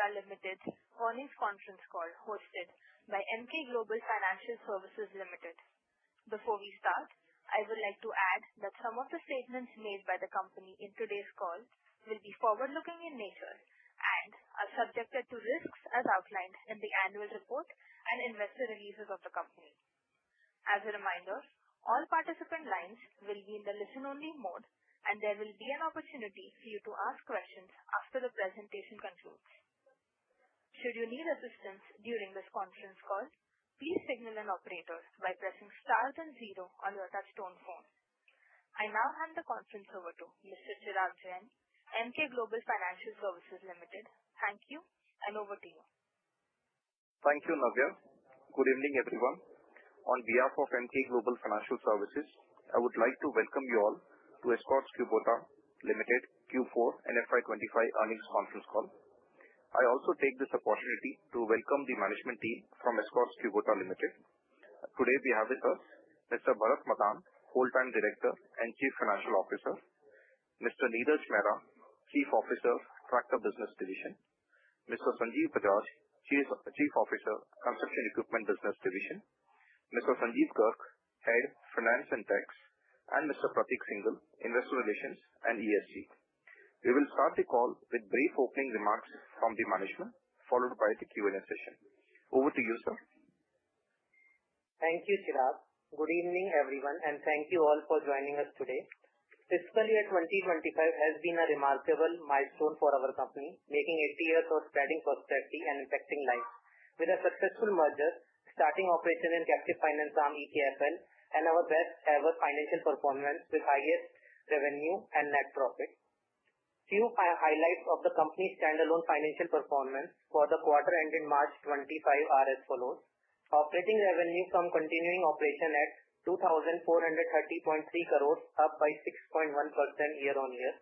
Ladies and gentlemen, good day and welcome to the Escorts Kubota Limited Morning Conference Call hosted by Emkay Global Financial Services Limited. Before we start, I would like to add that some of the statements made by the company in today's call will be forward-looking in nature and are subjected to risks as outlined in the annual report and investor releases of the company. As a reminder, all participant lines will be in the listen-only mode, and there will be an opportunity for you to ask questions after the presentation concludes. Should you need assistance during this conference call, please signal an operator by pressing star then zero on your touch-tone phone. I now hand the conference over to Mr. Chirag Jain, Emkay Global Financial Services Limited. Thank you, and over to you. Thank you, Navya. Good evening, everyone. On behalf of Emkay Global Financial Services, I would like to welcome you all to Escorts Kubota Limited Q4 and FY25 earnings conference call. I also take this opportunity to welcome the management team from Escorts Kubota Limited. Today, we have with us Mr. Bharat Madan, Full-Time Director and Chief Financial Officer; Mr. Neeraj Mehra, Chief Officer, Tractor Business Division; Mr. Sanjeev Bajaj, Chief Officer, Construction Equipment Business Division; Mr. Sanjeev Gurk, Head, Finance and Tax; and Mr. Pratik Singal, Investor Relations and ESG. We will start the call with brief opening remarks from the management, followed by the Q&A session. Over to you, sir. Thank you, Chirag. Good evening, everyone, and thank you all for joining us today. Fiscal Year 2025 has been a remarkable milestone for our company, making it clear for spreading prosperity and impacting lives. With a successful merger, starting operation in captive finance arm EKFL, and our best-ever financial performance with highest revenue and net profit. Few highlights of the company's standalone financial performance for the quarter ended March 2025 are as follows: Operating revenue from continuing operation at 2,430.30 crore, up by 6.1% year-on-year.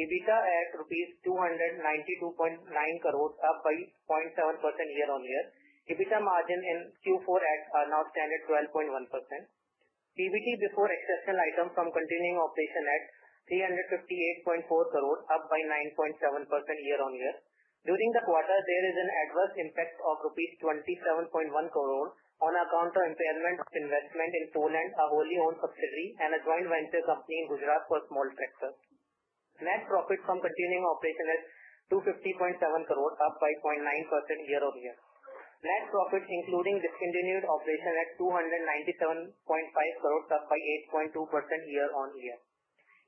EBITDA at rupees 292.90 crore, up by 0.7% year-on-year. EBITDA margin in Q4 at now standard 12.1%. PBT before exceptional item from continuing operation at 358.40 crore, up by 9.7% year-on-year. During the quarter, there is an adverse impact of rupees 27.10 crore on account of impairment of investment in Poland, a wholly-owned subsidiary, and a joint venture company in Gujarat for small tractors. Net profit from continuing operation at 250.70 crore, up by 0.9% year-on-year. Net profit including discontinued operation at 297.50 crore, up by 8.2% year-on-year.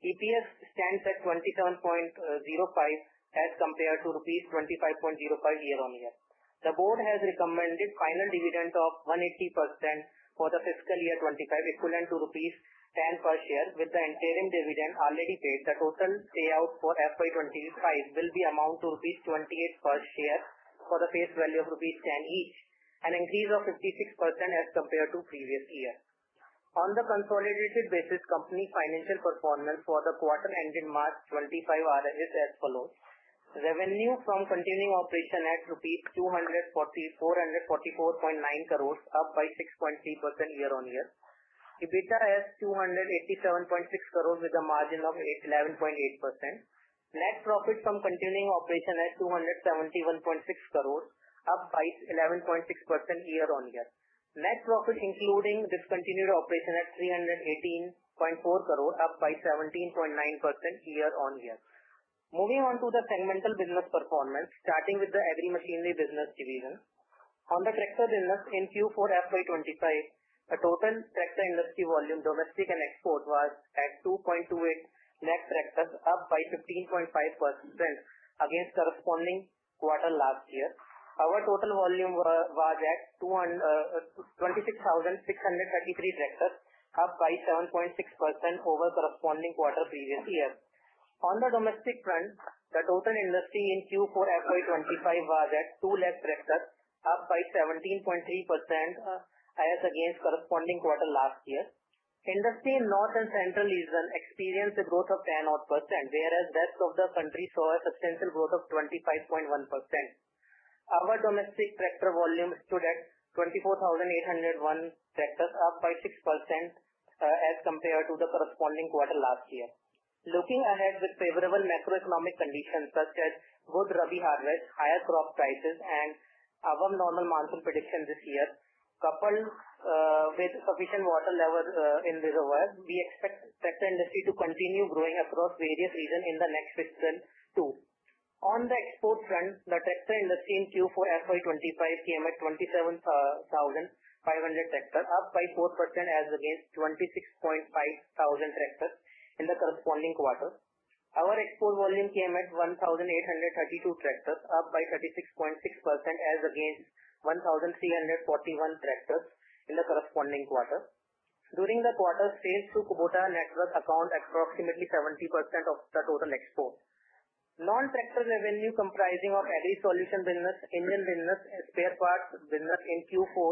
EPS stands at 27.05 as compared to rupees 25.05 year-on-year. The board has recommended final dividend of 180% for the fiscal year 2025, equivalent to rupees 10 per share, with the interim dividend already paid. The total payout for FY2025 will be amount to 28 rupees per share for the face value of 10 rupees each, an increase of 56% as compared to previous year. On the consolidated basis, company financial performance for the quarter ended March 2025 is as follows: Revenue from continuing operation at rupees 444.90 crore, up by 6.3% year-on-year. EBITDA at 287.60 crore, with a margin of 11.8%. Net profit from continuing operation at 271.60 crore, up by 11.6% year-on-year. Net profit including discontinued operation at 318.40 crore, up by 17.9% year-on-year. Moving on to the segmental business performance, starting with the Agri Machinery Business Division. On the tractor business in Q4 FY25, the total tractor industry volume domestic and export was at 2.28 lakh tractors, up by 15.5% against corresponding quarter last year. Our total volume was at 26,633 tractors, up by 7.6% over corresponding quarter previous year. On the domestic front, the total industry in Q4 FY25 was at 2 lakh tractors, up by 17.3% as against corresponding quarter last year. Industry in North and Central region experienced a growth of 10%, whereas rest of the country saw a substantial growth of 25.1%. Our domestic tractor volume stood at 24,801 tractors, up by 6% as compared to the corresponding quarter last year. Looking ahead with favorable macroeconomic conditions such as good rabi harvest, higher crop prices, and above normal monsoon prediction this year, coupled with sufficient water level in reservoirs, we expect tractor industry to continue growing across various regions in the next fiscal year. On the export front, the tractor industry in Q4 FY25 came at 27,500 tractors, up by 4% as against 26,500 tractors in the corresponding quarter. Our export volume came at 1,832 tractors, up by 36.6% as against 1,341 tractors in the corresponding quarter. During the quarter, sales to Kubota Network accounted approximately 70% of the total export. Non-tractor revenue comprising of agri solution business, engine business, and spare parts business in Q4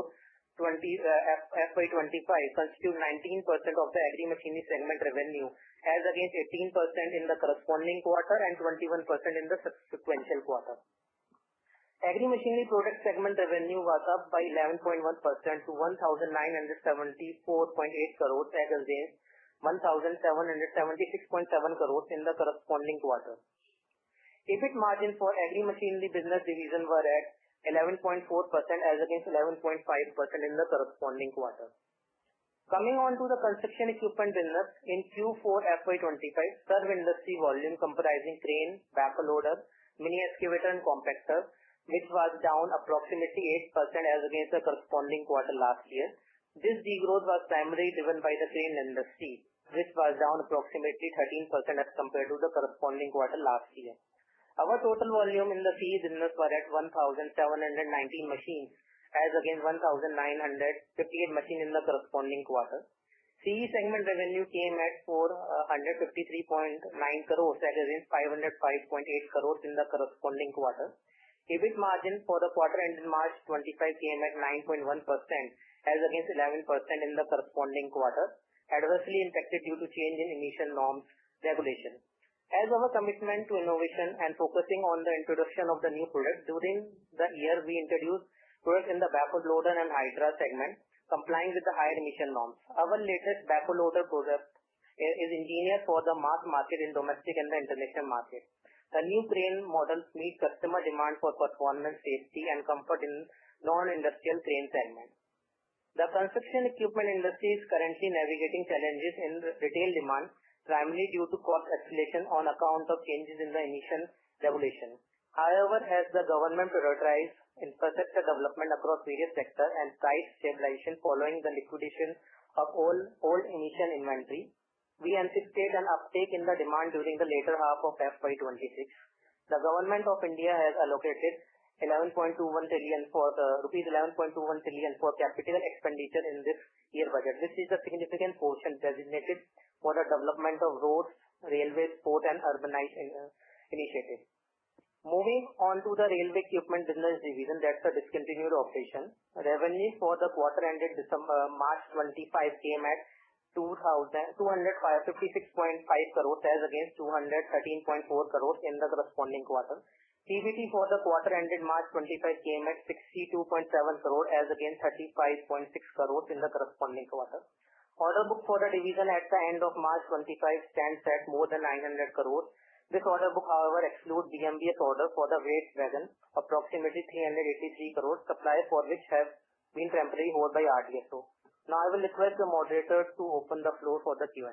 FY25 constituted 19% of the agri machinery segment revenue as against 18% in the corresponding quarter and 21% in the sequential quarter. Agri machinery product segment revenue was up by 11.1% to 1,974.80 crore as against 1,776.70 crore in the corresponding quarter. EBIT margin for agri machinery business division was at 11.4% as against 11.5% in the corresponding quarter. Coming on to the construction equipment business, in Q4 FY25, serve industry volume comprising crane, backhoe loader, mini excavator, and compactor, which was down approximately 8% as against the corresponding quarter last year. This degrowth was primarily driven by the crane industry, which was down approximately 13% as compared to the corresponding quarter last year. Our total volume in the CE business was at 1,719 machines as against 1,958 machines in the corresponding quarter. CE segment revenue came at 453.90 crore as against 505.80 crore in the corresponding quarter. EBIT margin for the quarter ended March 2025 came at 9.1% as against 11% in the corresponding quarter, adversely impacted due to change in emission norms regulation. As our commitment to innovation and focusing on the introduction of the new product, during the year we introduced products in the backhoe loader and Hydra segment, complying with the higher emission norms. Our latest backhoe loader product is engineered for the mass market in domestic and the international market. The new crane models meet customer demand for performance, safety, and comfort in the non-industrial crane segment. The construction equipment industry is currently navigating challenges in retail demand, primarily due to cost escalation on account of changes in the emission regulation. However, as the government prioritized infrastructure development across various sectors and price stabilization following the liquidation of old emission inventory, we anticipate an uptake in the demand during the later half of FY2026. The Government of India has allocated rupees 11.21 trillion for capital expenditure in this year's budget. This is a significant portion designated for the development of roads, railway, sport, and urbanization initiatives. Moving on to the Railway Equipment Business Division, that's a discontinued operation. Revenue for the quarter ended March 2025 came at 256.50 crore as against 213.40 crore in the corresponding quarter. PBT for the quarter ended March 2025 came at 62.70 crore as against 35.60 crore in the corresponding quarter. Order book for the division at the end of March 2025 stands at more than 900 crore. This order book, however, excludes BMBS order for the Weight Wagon, approximately 383 crore, suppliers for which have been temporarily held by RDSO. Now, I will request the moderator to open the floor for the Q&A.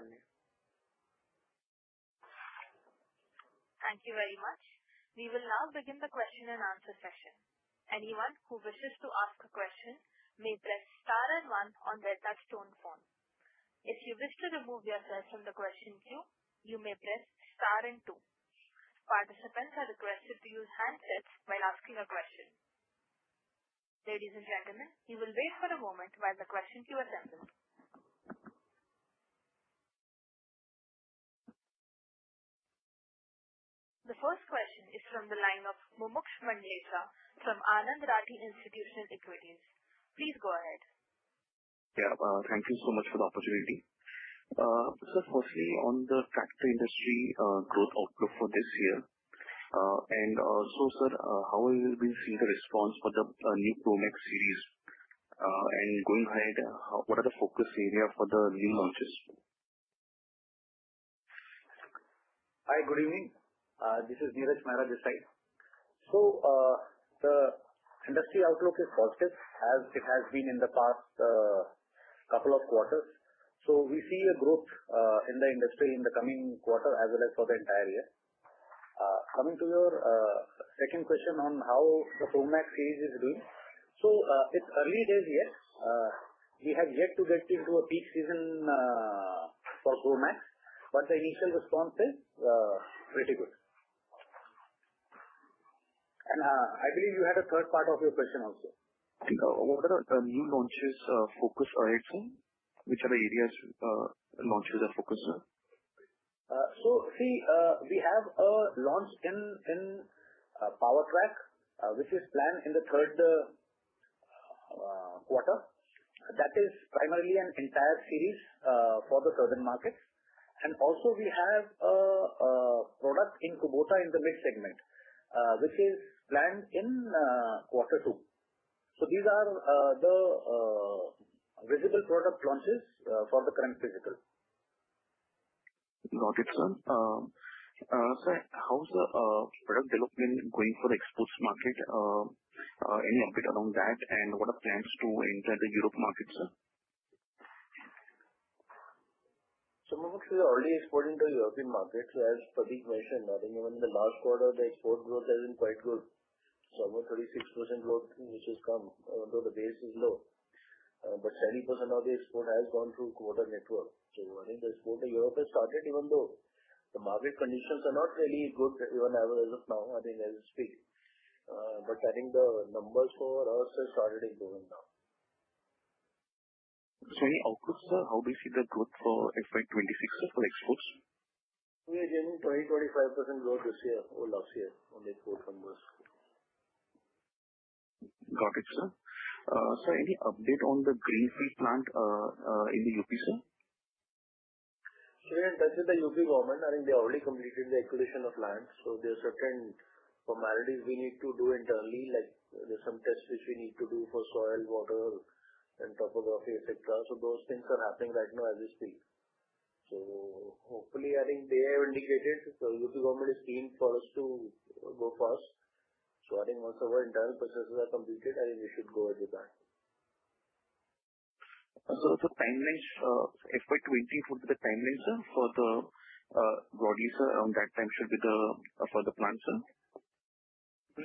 Thank you very much. We will now begin the question and answer session. Anyone who wishes to ask a question may press star and one on their touch-tone phone. If you wish to remove yourself from the question queue, you may press star and two. Participants are requested to use handsets while asking a question. Ladies and gentlemen, we will wait for a moment while the question queue assembles. The first question is from the line of Mumuksh Mandlesha from Anand Rathi Institutional Equities. Please go ahead. Yeah, thank you so much for the opportunity. Sir, firstly, on the tractor industry growth outlook for this year, and sir, how will we see the response for the new Pro Max series? Going ahead, what are the focus areas for the new launches? Hi, good evening. This is Neeraj Mehra this side. The industry outlook is positive as it has been in the past couple of quarters. We see a growth in the industry in the coming quarter as well as for the entire year. Coming to your second question on how the Pro Max series is doing, it's early days yet. We have yet to get into a peak season for Pro Max, but the initial response is pretty good. I believe you had a third part of your question also. What are the new launches focused on? Which are the areas launches are focused on? See, we have a launch in PowerTrack, which is planned in the third quarter. That is primarily an entire series for the southern markets. Also, we have a product in Kubota in the mid-segment, which is planned in quarter two. These are the visible product launches for the current fiscal. Got it, sir. Sir, how's the product development going for the exports market? Any update around that? What are plans to enter the Europe market, sir? Mumuksh is already exporting to European markets, as Pratik mentioned. I think even in the last quarter, the export growth has been quite good. It's almost 36% growth, which has come even though the base is low. But 70% of the export has gone through the Kubota network. I think the export to Europe has started even though the market conditions are not really good even as of now, I think, as we speak. I think the numbers for us have started improving now. Any outlook, sir? How do you see the growth for FY26, sir, for exports? We are getting 20%-25% growth this year or last year, on the export numbers. Got it, sir. Sir, any update on the greenfield plant in UP, sir? We are in touch with the UP government. I think they already completed the acquisition of land. There are certain formalities we need to do internally, like there are some tests which we need to do for soil, water, and topography, etc. Those things are happening right now as we speak. Hopefully, I think they have indicated the UP government is keen for us to go fast. Once our internal processes are completed, I think we should go ahead with that. The timelines FY24 to the timelines, sir, for the broad lease, around that time should be for the plant, sir?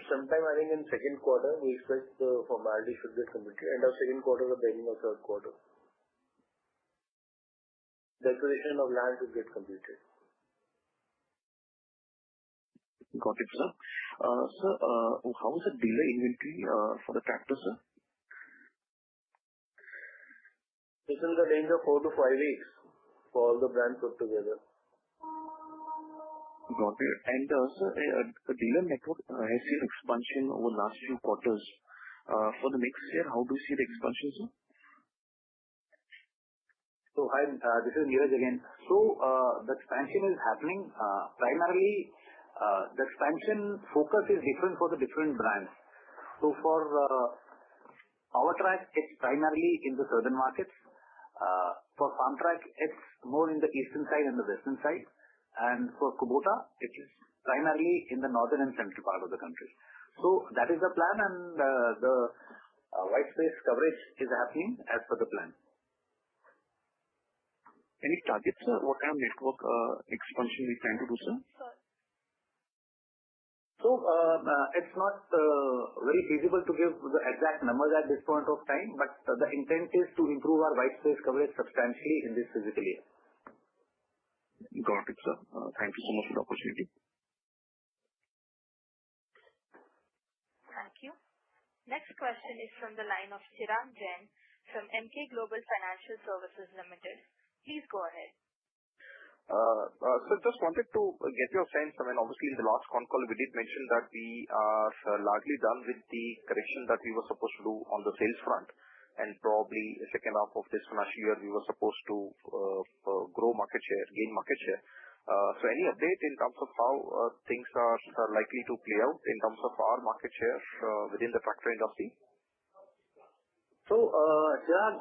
Sometime, I think in second quarter, we expect the formality should get completed. End of second quarter or beginning of third quarter. The acquisition of land should get completed. Got it, sir. Sir, how is the dealer inventory for the tractor, sir? It's in the range of four to five weeks for all the brands put together. Got it. Sir, the dealer network has seen expansion over the last few quarters. For the next year, how do you see the expansion, sir? Hi, this is Neeraj again. The expansion is happening. Primarily, the expansion focus is different for the different brands. For PowerTrack, it is primarily in the southern markets. For FarmTrack, it is more in the eastern side and the western side. For Kubota, it is primarily in the northern and central part of the country. That is the plan, and the white space coverage is happening as per the plan. Any targets, sir? What kind of network expansion are you planning to do, sir? It's not very feasible to give the exact numbers at this point of time, but the intent is to improve our white space coverage substantially in this fiscal year. Got it, sir. Thank you so much for the opportunity. Thank you. Next question is from the line of Chirag Jain from Emkay Global Financial Services Limited. Please go ahead. Sir, just wanted to get your sense. I mean, obviously, in the last con call, we did mention that we are largely done with the correction that we were supposed to do on the sales front. Probably the second half of this financial year, we were supposed to grow market share, gain market share. Any update in terms of how things are likely to play out in terms of our market share within the tractor industry? Chiran,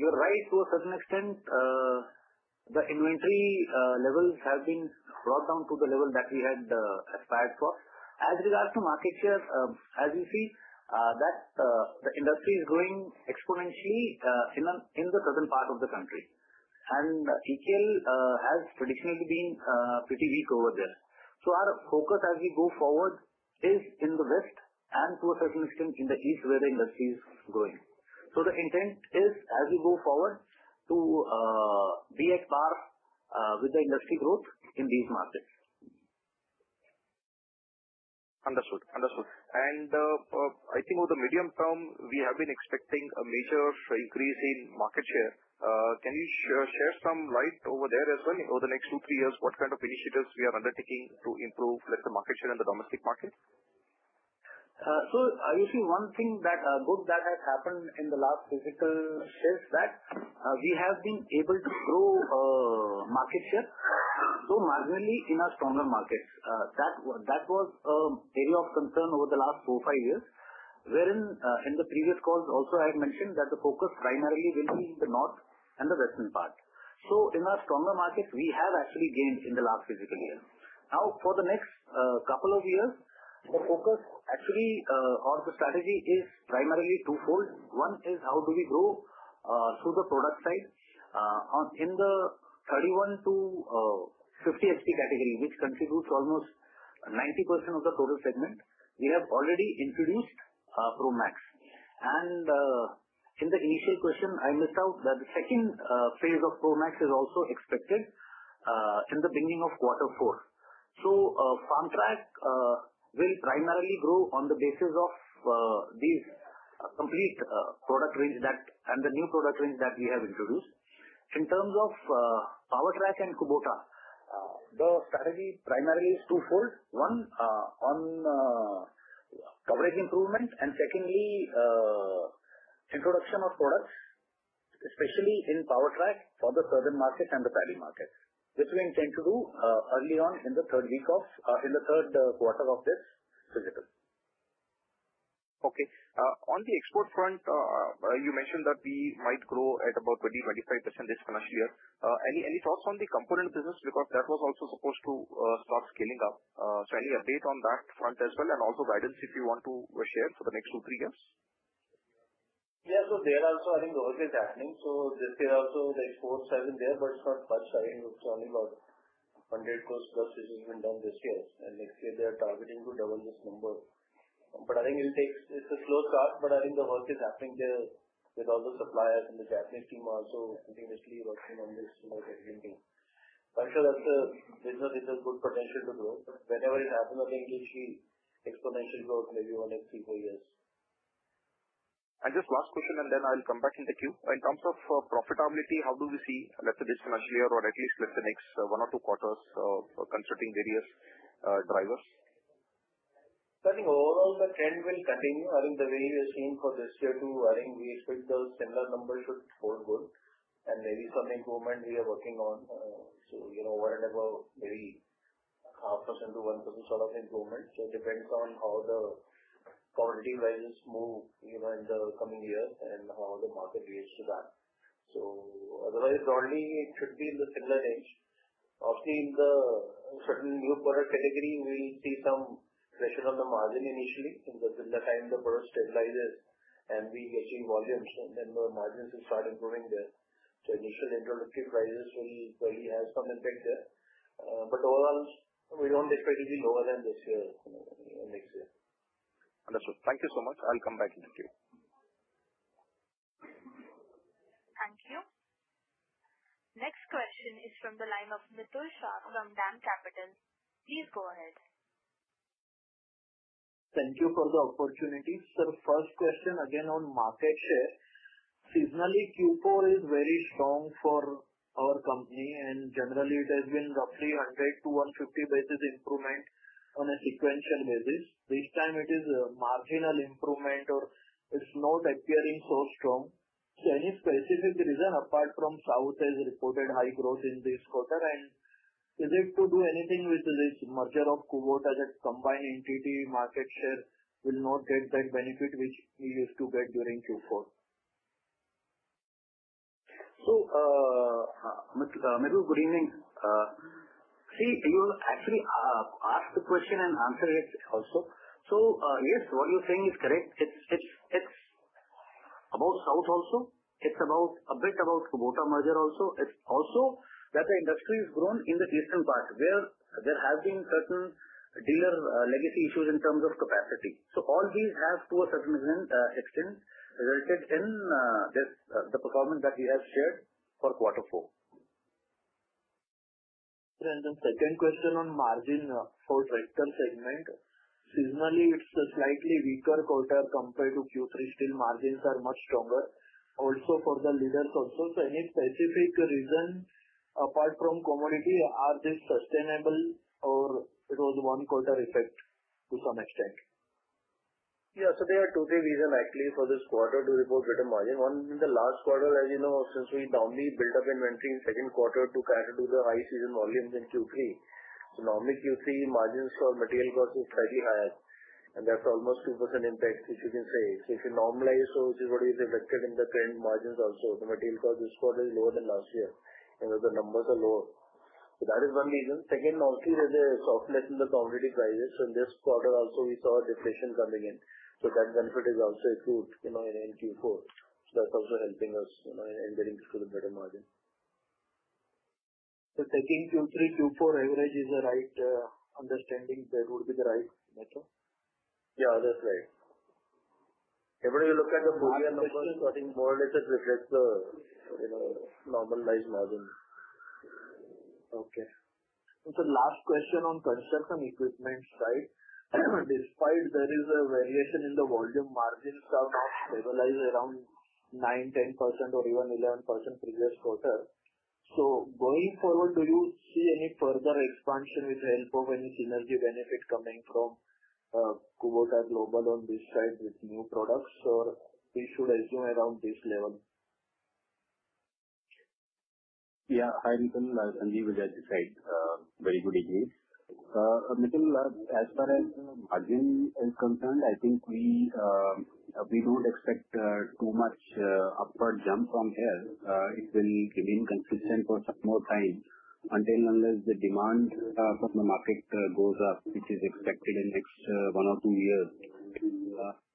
you're right to a certain extent. The inventory levels have been brought down to the level that we had aspired for. As regards to market share, as you see, the industry is growing exponentially in the southern part of the country. EKL has traditionally been pretty weak over there. Our focus as we go forward is in the west and to a certain extent in the east where the industry is growing. The intent is, as we go forward, to be at par with the industry growth in these markets. Understood. Understood. I think over the medium term, we have been expecting a major increase in market share. Can you share some light over there as well? Over the next two, three years, what kind of initiatives we are undertaking to improve the market share in the domestic market? You see, one thing that has happened in the last fiscal is that we have been able to grow market share marginally in our stronger markets. That was an area of concern over the last four or five years. Wherein in the previous calls also, I had mentioned that the focus primarily will be in the north and the western part. In our stronger markets, we have actually gained in the last fiscal year. Now, for the next couple of years, the focus or the strategy is primarily two-fold. One is how do we grow through the product side. In the 31-50 HP category, which contributes almost 90% of the total segment, we have already introduced Pro Max. In the initial question, I missed out that the second phase of Pro Max is also expected in the beginning of quarter four. FarmTrack will primarily grow on the basis of these complete product range and the new product range that we have introduced. In terms of PowerTrack and Kubota, the strategy primarily is two-fold. One, on coverage improvement, and secondly, introduction of products, especially in PowerTrack for the southern market and the paddy market, which we intend to do early on in the third week of in the third quarter of this fiscal. Okay. On the export front, you mentioned that we might grow at about 20-25% this financial year. Any thoughts on the component business? Because that was also supposed to start scaling up. Any update on that front as well? Also, guidance if you want to share for the next two, three years? Yeah. There also, I think, the work is happening. This year also, the exports have been there, but it's not much. I think it's only about INR 1,000,000,000 plus which has been done this year. Next year, they are targeting to double this number. I think it's a slow start, but the work is happening there with all the suppliers and the Japanese team also continuously working on this market. I'm sure that's a business with good potential to grow. Whenever it happens, I think it will see exponential growth maybe over the next three, four years. Just last question, and then I'll come back in the queue. In terms of profitability, how do we see, let's say, this financial year or at least, let's say, next one or two quarters considering various drivers? I think overall, the trend will continue. I think the way we are seeing for this year too, we expect those similar numbers should hold good. Maybe some improvement we are working on, so whatever, maybe 0.5%-1% sort of improvement. It depends on how the commodity prices move in the coming years and how the market reacts to that. Otherwise, broadly, it should be in the similar range. Obviously, in certain new product categories, we'll see some pressure on the margin initially in the time the product stabilizes and we get seeing volumes, and then the margins will start improving there. Initial introductory prices will probably have some impact there. Overall, we do not expect it to be lower than this year and next year. Understood. Thank you so much. I'll come back in the queue. Thank you. Next question is from the line of Mitul Shah from Dam Capital. Please go ahead. Thank you for the opportunity. Sir, first question again on market share. Seasonally, Q4 is very strong for our company, and generally, it has been roughly 100 to 150 basis points improvement on a sequential basis. This time, it is marginal improvement, or it is not appearing so strong. Any specific reason apart from South has reported high growth in this quarter? Is it to do anything with this merger of Kubota that combined entity market share will not get that benefit which we used to get during Q4? Mitul, good evening. See, you actually asked the question and answered it also. Yes, what you are saying is correct. It is about South also. It is a bit about Kubota merger also. It is also that the industry has grown in the eastern part where there have been certain dealer legacy issues in terms of capacity. All these have to a certain extent resulted in the performance that we have shared for quarter four. The second question on margin for tractor segment. Seasonally, it is a slightly weaker quarter compared to Q3. Still, margins are much stronger, also for the leaders also. Any specific reason apart from commodity, are these sustainable or was it a one quarter effect to some extent? Yeah. So there are two-three reasons actually for this quarter to report better margin. One, in the last quarter, as you know, since we normally built up inventory in second quarter to try to do the high season volumes in Q3. Normally, Q3 margins for material cost are slightly higher. That is almost 2% impact, which you can say. If you normalize, which is what you reflected in the current margins also, the material cost this quarter is lower than last year. The numbers are lower. That is one reason. Second, mostly there is a softness in the commodity prices. In this quarter also, we saw a deflation coming in. That benefit is also acute in Q4. That is also helping us in getting to the better margin. Thinking Q3, Q4 average is the right understanding, that would be the right metric? Yeah, that's right. When you look at the full year numbers, I think more or less it reflects the normalized margin. Okay. Last question on construction equipment side. Despite there is a variation in the volume, margins have now stabilized around 9%-10%, or even 11% previous quarter. Going forward, do you see any further expansion with the help of any synergy benefit coming from Kubota Global on this side with new products, or we should assume around this level? Yeah. I think indeed we'll have to decide very good degrees. Mitul, as far as margin is concerned, I think we don't expect too much upward jump from here. It will remain consistent for some more time until unless the demand from the market goes up, which is expected in the next one or two years.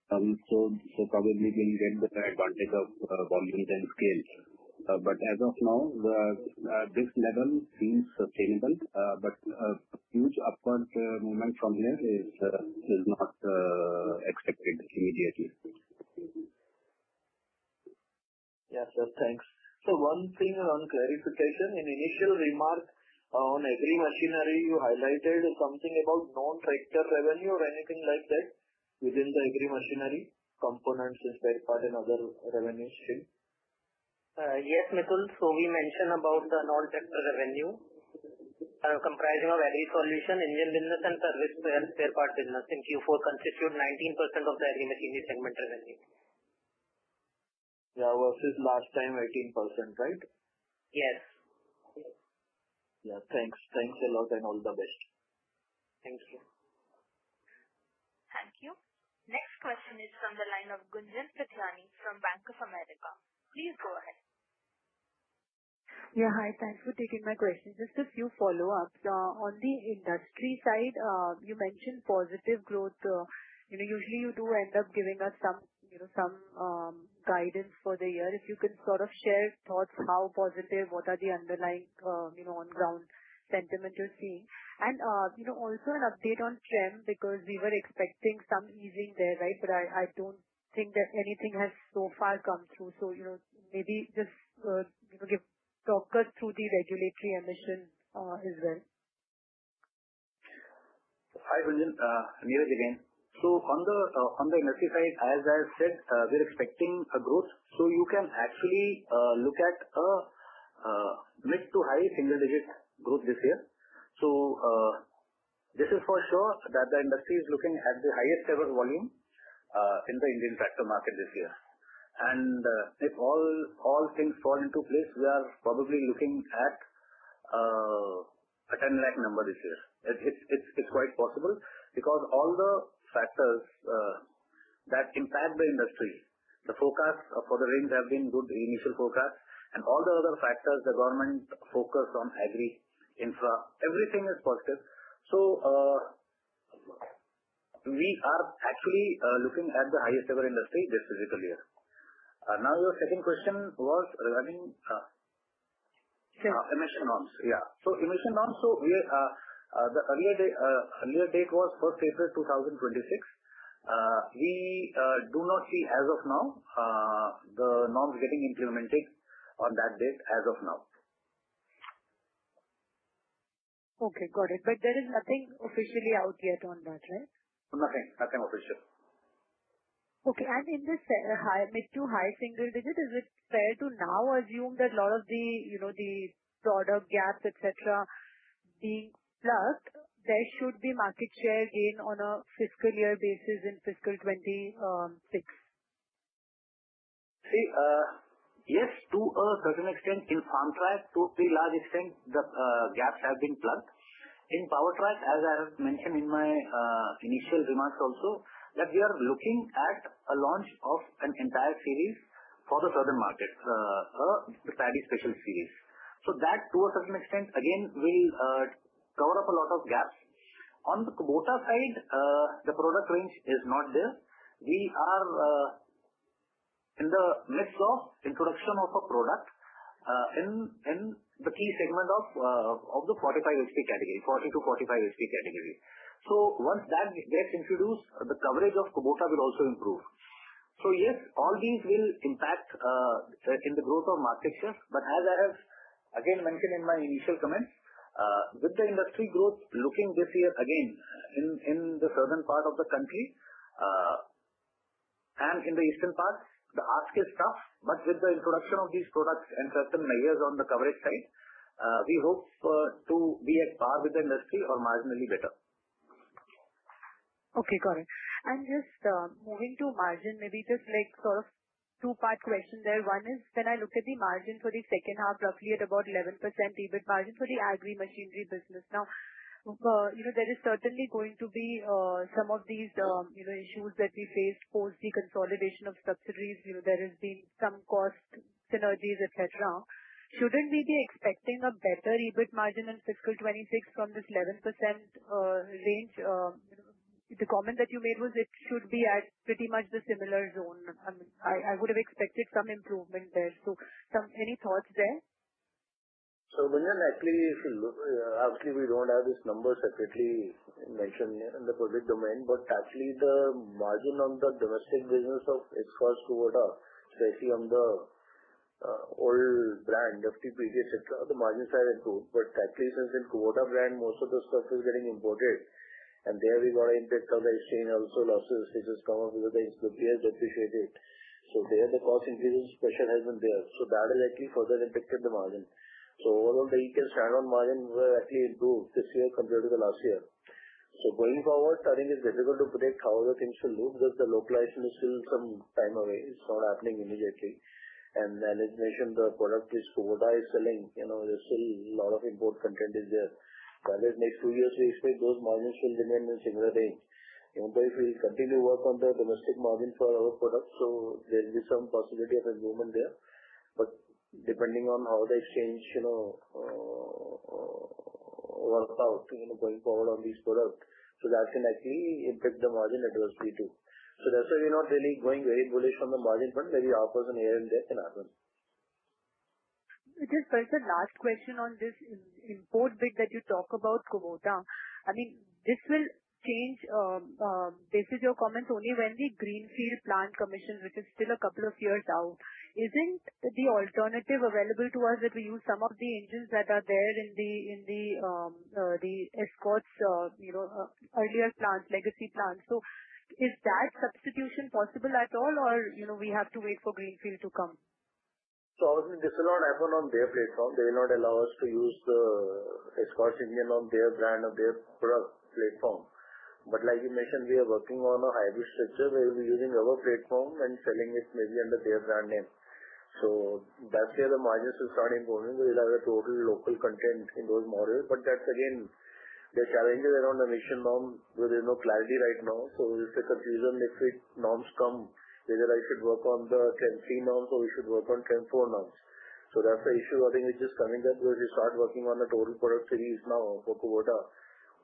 Probably we'll get the advantage of volumes and scale. As of now, this level seems sustainable, but a huge upward movement from here is not expected immediately. Yes, sir. Thanks. One thing around clarification. In initial remark on agri machinery, you highlighted something about non-tractor revenue or anything like that within the agri machinery components in spare part and other revenue stream? Yes, Mitul. We mentioned about the non-tractor revenue. Comprising of agri solution, engine business, and service and spare part business in Q4 constituted 19% of the agri machinery segment revenue. Yeah. Versus last time, 18%, right? Yes. Yeah. Thanks. Thanks a lot and all the best. Thank you. Thank you. Next question is from the line of Gunjan Prithyani from Bank of America. Please go ahead. Yeah. Hi. Thanks for taking my question. Just a few follow-ups. On the industry side, you mentioned positive growth. Usually, you do end up giving us some guidance for the year. If you can sort of share thoughts, how positive, what are the underlying on-ground sentiment you're seeing? Also an update on Trem, because we were expecting some easing there, right? I don't think that anything has so far come through. Maybe just talk us through the regulatory emission as well. Hi, Gunjan. Neeraj again. On the industry side, as I said, we're expecting a growth. You can actually look at a mid- to high single-digit growth this year. This is for sure that the industry is looking at the highest-ever volume in the Indian tractor market this year. If all things fall into place, we are probably looking at a 1,000,000 number this year. It's quite possible because all the factors that impact the industry, the forecast for the rains have been good, the initial forecast. All the other factors, the government focus on agri infra, everything is positive. We are actually looking at the highest-ever industry this fiscal year. Now, your second question was regarding emission norms. Yeah. Emission norms, the earlier date was 1 April 2026. We do not see, as of now, the norms getting implemented on that date as of now. Okay. Got it. There is nothing officially out yet on that, right? Nothing. Nothing official. Okay. In this mid to high single digit, is it fair to now assume that a lot of the product gaps, etc., being plugged, there should be market share gain on a fiscal year basis in fiscal 2026? See, yes, to a certain extent in FarmTrack, to a pretty large extent, the gaps have been plugged. In PowerTrack, as I mentioned in my initial remarks also, that we are looking at a launch of an entire series for the southern market, the paddy special series. That, to a certain extent, again, will cover up a lot of gaps. On the Kubota side, the product range is not there. We are in the midst of introduction of a product in the key segment of the 45 HP category, 40-45 HP category. Once that gets introduced, the coverage of Kubota will also improve. Yes, all these will impact in the growth of market share. As I have again mentioned in my initial comments, with the industry growth looking this year again in the southern part of the country and in the eastern part, the ask is tough. With the introduction of these products and certain measures on the coverage side, we hope to be at par with the industry or marginally better. Okay. Got it. Just moving to margin, maybe just sort of two-part question there. One is, when I look at the margin for the second half, roughly at about 11% EBIT margin for the agri machinery business. Now, there is certainly going to be some of these issues that we faced post the consolidation of subsidies. There has been some cost synergies, etc. Shouldn't we be expecting a better EBIT margin in fiscal 2026 from this 11% range? The comment that you made was it should be at pretty much the similar zone. I would have expected some improvement there. Any thoughts there? Gunjan, actually, obviously, we do not have these numbers separately mentioned in the public domain. Actually, the margin on the domestic business of Escorts Kubota, especially on the old brand, FTP, etc., the margins have improved. Actually, since the Kubota brand, most of the stuff is getting imported. There we got an impact of the exchange also, losses which have come up because the peers depreciated. There, the cost increases pressure has been there. That has actually further impacted the margin. Overall, the ETIN standalone margin will actually improve this year compared to last year. Going forward, I think it is difficult to predict how things will look because the localization is still some time away. It is not happening immediately. As I mentioned, the product which Kubota is selling, there is still a lot of import content there. That is, next two years, we expect those margins will remain in a similar range. Even though we will continue to work on the domestic margin for our products, so there will be some possibility of improvement there. Depending on how the exchange works out going forward on these products, that can actually impact the margin adversely too. That is why we're not really going very bullish on the margin front. Maybe offers and here and there can happen. It is, but it's a last question on this import bit that you talk about Kubota. I mean, this will change, based on your comments, only when the Greenfield Plant commissions, which is still a couple of years out. Isn't the alternative available to us that we use some of the engines that are there in the Escorts earlier plants, legacy plants? So is that substitution possible at all, or we have to wait for Greenfield to come? Obviously, this will not happen on their platform. They will not allow us to use the Escorts engine on their brand or their product platform. Like you mentioned, we are working on a hybrid structure where we are using our platform and selling it maybe under their brand name. That is where the margins are starting to improve. We will have total local content in those models. Again, the challenges are around emission norms. There is no clarity right now. It is a confusion if norms come, whether I should work on the Trem-V norms or we should work on Trem-4 norms. That is the issue I think which is coming up because we start working on the total product series now for Kubota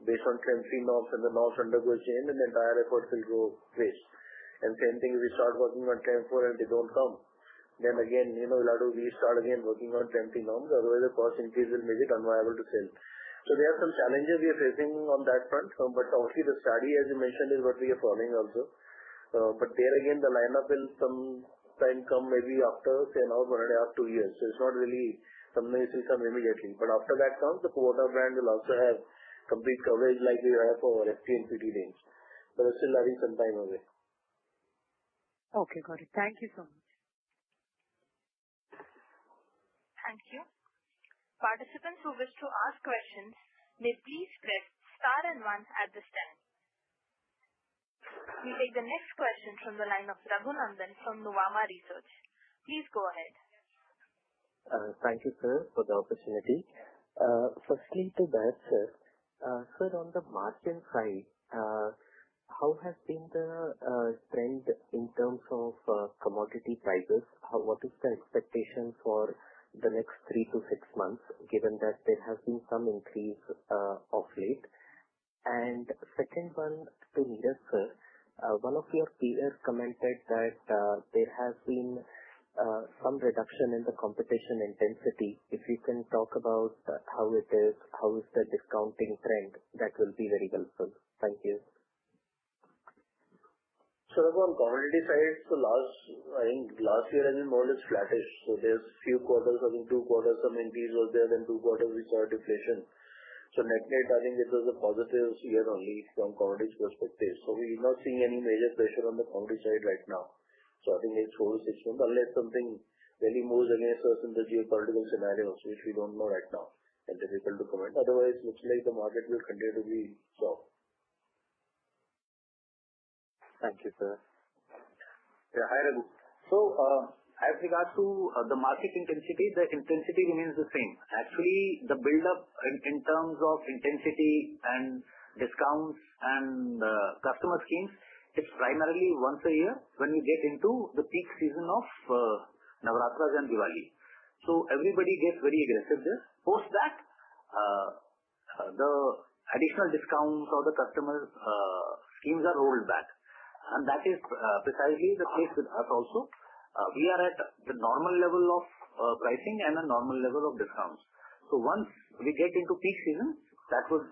based on Trem-V norms and if the norms undergo change, the entire effort will go to waste. If we start working on Trem-4 and they do not come, then again, we will have to restart again working on Trem-V norms. Otherwise, the cost increase will make it unviable to sell. There are some challenges we are facing on that front. Obviously, the study, as you mentioned, is what we are following also. There again, the lineup will sometime come maybe after say another one and a half, two years. It is not really something you see immediately. After that comes, the Kubota brand will also have complete coverage like we have for FT and PT names. It is still some time away. Okay. Got it. Thank you so much. Thank you. Participants who wish to ask questions may please press star and one at the stand. We take the next question from the line of Raghunandan from Nuvama Research. Please go ahead. Thank you, sir, for the opportunity. Firstly, to that, sir, on the margin side, how has been the trend in terms of commodity prices? What is the expectation for the next three to six months, given that there has been some increase of late? Second one, to Neeraj, sir, one of your peers commented that there has been some reduction in the competition intensity. If you can talk about how it is, how is the discounting trend, that will be very helpful. Thank you. On the commodity side, last year has been more or less flattish. There were a few quarters, I think two quarters, some increase was there, then two quarters, we saw a deflation. Net net, it was a positive year only from a commodity perspective. We are not seeing any major pressure on the commodity side right now. I think for four to six months, unless something really moves against us in the geopolitical scenarios, which we do not know right now and difficult to comment. Otherwise, it looks like the market will continue to be soft. Thank you, sir. Yeah. Hi, Raghu. As regards to the market intensity, the intensity remains the same. Actually, the buildup in terms of intensity and discounts and customer schemes, it is primarily once a year when we get into the peak season of Navratras and Diwali. Everybody gets very aggressive there. Post that, the additional discounts or the customer schemes are rolled back. That is precisely the case with us also. We are at the normal level of pricing and a normal level of discounts. Once we get into peak season, that would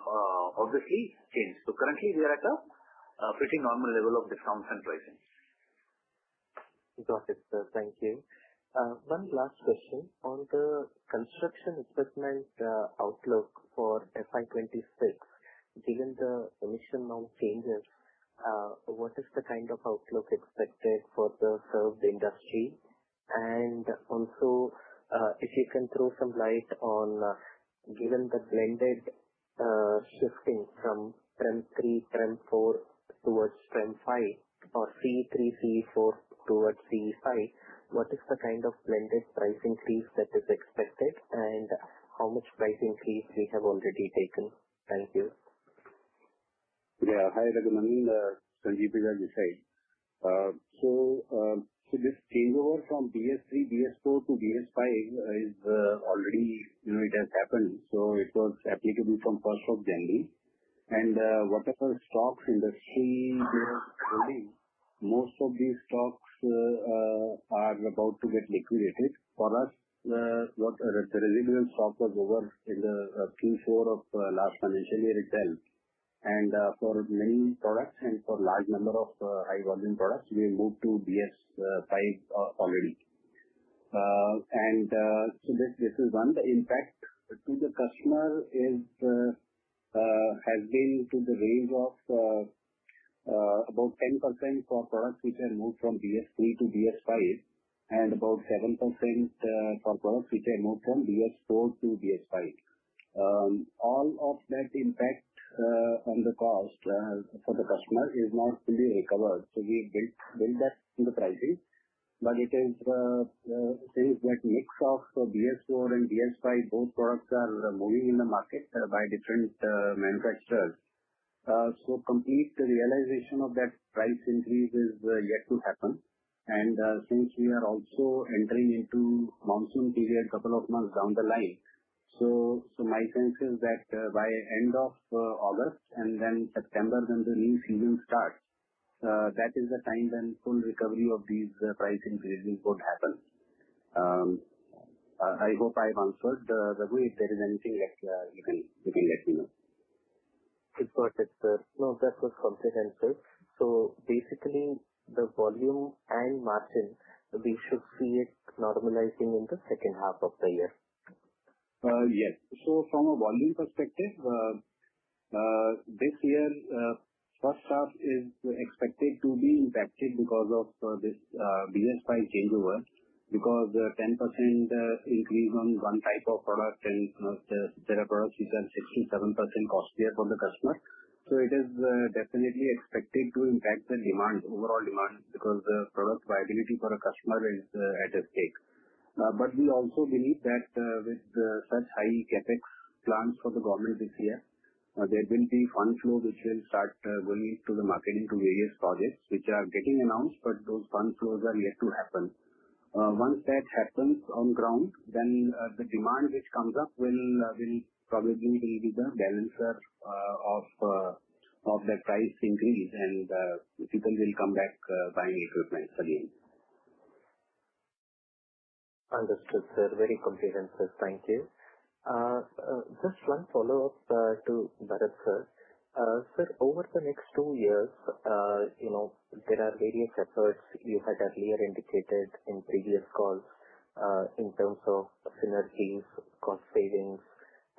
obviously change. Currently, we are at a pretty normal level of discounts and pricing. Got it, sir. Thank you. One last question. On the construction equipment outlook for FY 2026, given the emission norm changes, what is the kind of outlook expected for the served industry? Also, if you can throw some light on, given the blended shifting from TREM-3, TREM-4 towards TREM-5, or C3, C4 towards C5, what is the kind of blended price increase that is expected, and how much price increase we have already taken? Thank you. Yeah. Hi, Raghu. I mean, Sanjeev, as you said. This changeover from BS3, BS4 to BS5 has already happened. It was applicable from 1st of January. Whatever stocks industry is holding, most of these stocks are about to get liquidated. For us, the residual stock was over in the Q4 of last financial year itself. For many products and for a large number of high-volume products, we have moved to BS5 already. This is one. The impact to the customer has been in the range of about 10% for products which have moved from BS3 to BS5, and about 7% for products which have moved from BS4 to BS5. All of that impact on the cost for the customer is not fully recovered. We have built that in the pricing. It is since that mix of BS4 and BS5, both products are moving in the market by different manufacturers. So complete realization of that price increase is yet to happen. Since we are also entering into monsoon period a couple of months down the line, my sense is that by end of August and then September, when the new season starts, that is the time when full recovery of these price increases would happen. I hope I have answered. Raghu, if there is anything that you can let me know. It's got it, sir. No, that was comprehensive. Basically, the volume and margin, we should see it normalizing in the second half of the year. Yes. From a volume perspective, this year, first half is expected to be impacted because of this BS5 changeover, because 10% increase on one type of product, and there are products which are 6%-7% costlier for the customer. It is definitely expected to impact the demand, overall demand, because the product viability for a customer is at its peak. We also believe that with such high CapEx plans for the government this year, there will be fund flow which will start going into the market into various projects which are getting announced, but those fund flows are yet to happen. Once that happens on ground, the demand which comes up will probably be the balancer of the price increase, and people will come back buying equipment again. Understood, sir. Very comprehensive. Thank you. Just one follow-up to Varuther. Sir, over the next two years, there are various efforts you had earlier indicated in previous calls in terms of synergies, cost savings,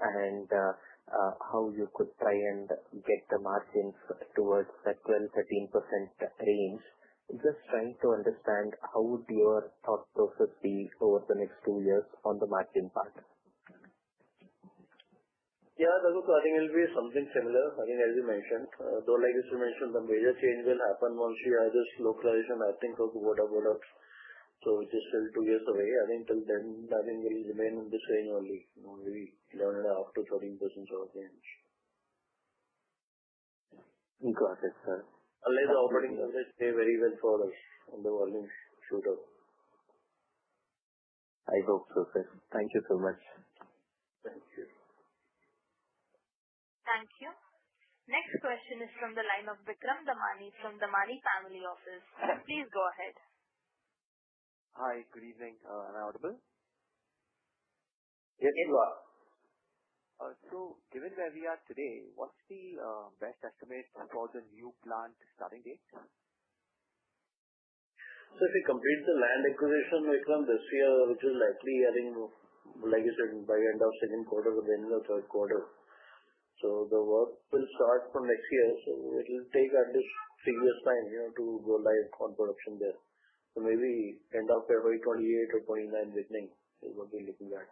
and how you could try and get the margins towards that 12%-13% range. Just trying to understand how would your thought process be over the next two years on the margin part? Yeah. I think it will be something similar. I think, as you mentioned, though, like you mentioned, the major change will happen once we have this localization, I think, of Kubota products. Which is still two years away. I think till then, I think we'll remain in this range only, maybe 11.5%-13% range. Got it, sir. Unless the operating average stays very well for us on the volume shoot-up. I hope so, sir. Thank you so much. Thank you. Thank you. Next question is from the line of Vikram Damani from Damani Family Office. Please go ahead. Hi. Good evening. Am I audible? Yes, you are. Given where we are today, what's the best estimate for the new plant starting date? If we complete the land acquisition this year, which is likely, I think, like you said, by end of second quarter or the end of third quarter. The work will start from next year. It will take at least three years' time to go live on production there. Maybe end of February 2028 or 2029 beginning is what we're looking at.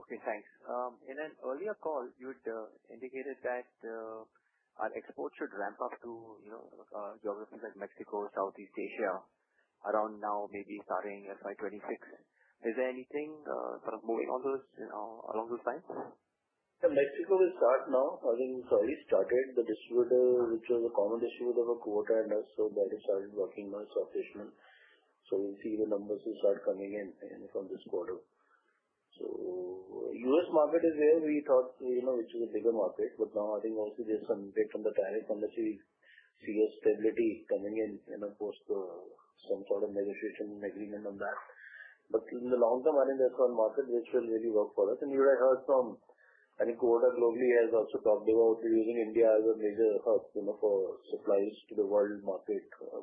Okay. Thanks. In an earlier call, you had indicated that our exports should ramp up to geographies like Mexico, Southeast Asia, around now maybe starting FY 2026. Is there anything sort of moving along those lines? Yeah. Mexico will start now. I think we've already started the distributor, which was a common distributor for Kubota and us. That has started working now, it's operational. We'll see the numbers will start coming in from this quarter. U.S. market is where we thought, which is a bigger market. Now, I think also there's some impact on the tariff unless we see a stability coming in and, of course, some sort of negotiation agreement on that. In the long term, I think that's one market which will really work for us. You had heard from, I think Kubota globally has also talked about using India as a major hub for supplies to the world market for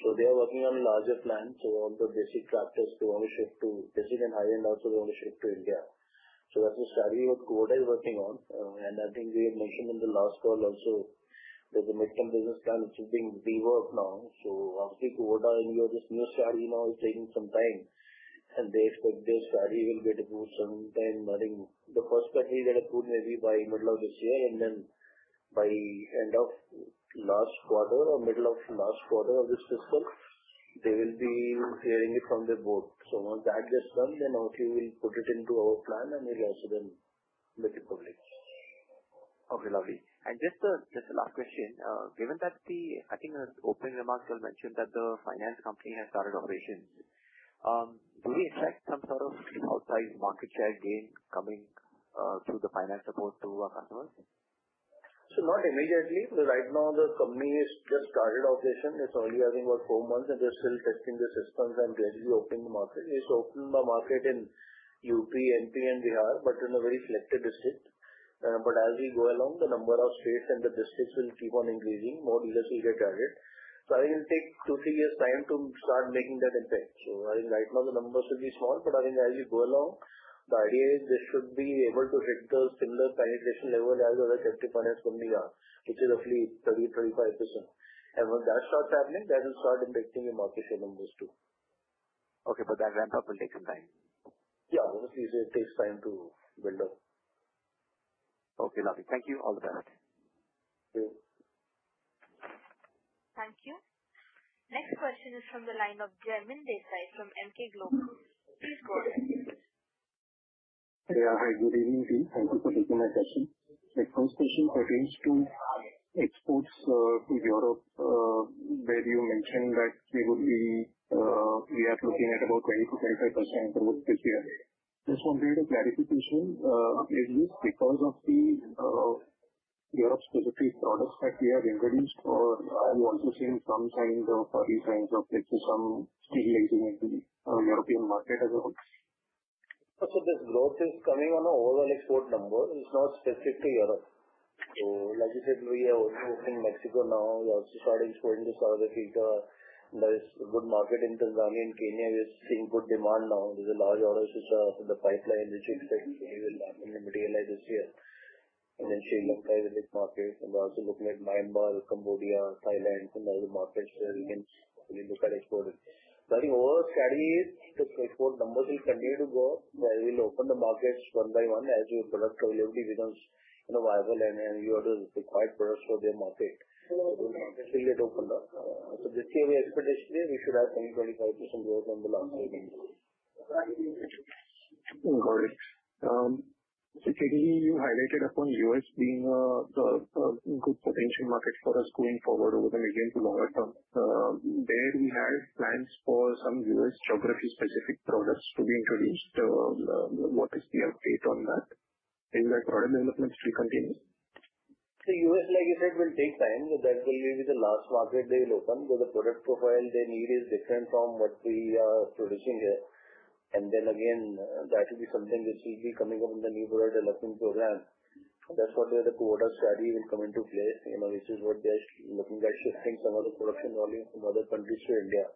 Kubota. They are working on a larger plant. All the basic tractors, they want to shift to basic and high-end also, they want to shift to India. That is the strategy what Kubota is working on. I think we had mentioned in the last call also, there is a midterm business plan which is being reworked now. Obviously, Kubota and your new strategy now is taking some time. They expect their strategy will get approved sometime. I think the first battery that approved maybe by middle of this year and then by end of last quarter or middle of last quarter of this fiscal, they will be hearing it from their board. Once that gets done, then obviously we will put it into our plan and we will also then make it public. Okay. Lovely. Just a last question. Given that the, I think, open remarks you had mentioned that the finance company has started operations. Do we expect some sort of outsized market share gain coming through the finance support to our customers? Not immediately. Right now, the company has just started operation. It's only, I think, about four months, and they're still testing the systems and gradually opening the market. It's opened the market in Uttar Pradesh, Madhya Pradesh, and Bihar, but in a very selected district. As we go along, the number of states and the districts will keep on increasing. More dealers will get targeted. I think it'll take two to three years' time to start making that impact. Right now, the numbers will be small. As we go along, the idea is they should be able to hit the similar penetration level as the other captive finance companies are, which is roughly 30%-35%. Once that starts happening, that will start impacting your market share numbers too. Okay. That ramp-up will take some time? Yeah. Obviously, it takes time to build up. Okay. Lovely. Thank you. Bharat. Thank you. Thank you. Next question is from the line of Jermin Desai from Emkay Global. Please go ahead. Yeah. Hi. Good evening, team. Thank you for taking my question. My first question pertains to exports to Europe, where you mentioned that we are looking at about 20%-25% growth this year. Just wanted a clarification. Is this because of the Europe-specific products that we have introduced, or are you also seeing some signs of some stabilizing in the European market as well? This growth is coming on an overall export number. It's not specific to Europe. Like you said, we are also opening Mexico now. We also started exporting to South Africa. There is a good market in Tanzania and Kenya. We are seeing good demand now. There's a large order switch-off in the pipeline, which we will materialize this year. Sri Lanka is in its market. We're also looking at Myanmar, Cambodia, Thailand, and other markets where we can look at exporting. I think overall strategy is the export numbers will continue to go. We'll open the markets one by one as your product availability becomes viable and you have the required products for their market. We'll see if it opens up. This year, we expect this year, we should have 20%-25% growth on the last year. Got it. So Jeremy, you highlighted upon U.S. being a good potential market for us going forward over the medium to longer term. There we had plans for some U.S. geography-specific products to be introduced. What is the update on that? Is that product development still continuing? U.S., like you said, will take time. That will be the last market they will open. The product profile they need is different from what we are producing here. That will be something which will be coming up in the new product development program. That is what the Kubota strategy will come into play, which is what they are looking at shifting some of the production volume from other countries to India.